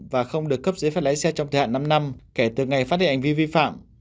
và không được cấp giấy phép lái xe trong thời hạn năm năm kể từ ngày phát hiện hành vi vi phạm